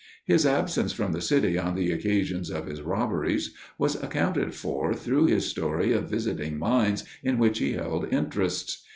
His absence from the city on the occasions of his robberies was accounted for through his story of visiting mines in which he held interests.